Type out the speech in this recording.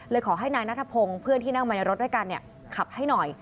ขอให้นายนัทพงศ์เพื่อนที่นั่งมาในรถด้วยกันขับให้หน่อย